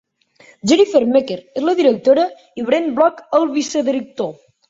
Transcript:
Jennifer Meeker és la directora i Brent Bloch el vicedirector.